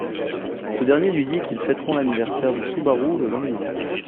Ce dernier lui dit qu'ils fêteront le anniversaire de Subaru le lendemain.